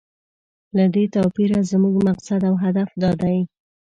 له دې توپیره زموږ مقصد او هدف دا دی.